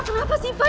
kenapa sih pak